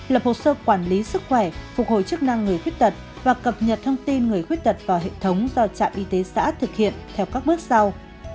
lập hồ sơ quản lý sức khỏe phục hồi chức năng người khuyết tật và cập nhật thông tin người khuyết tật vào hệ thống do trạm y tế xã thực hiện theo các bước sau